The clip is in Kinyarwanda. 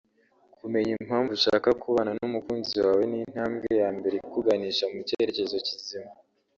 Kumenya impamvu ushaka kubana n’umukunzi wawe n’intambwe ya mbere ikuganisha mu cyerekezo kizima